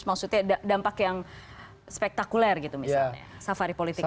maksudnya dampak yang spektakuler gitu misalnya safari politiknya